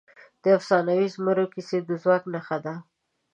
د افسانوي زمرو کیسه د ځواک نښه ده.